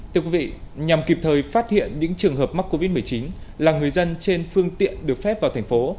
thưa quý vị nhằm kịp thời phát hiện những trường hợp mắc covid một mươi chín là người dân trên phương tiện được phép vào thành phố